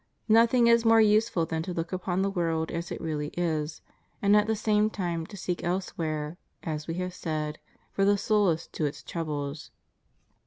Nothing is more useful than to look upon the world as it really is — and at the same time to seek elsewhere, as we have said, for the solace to its troubles.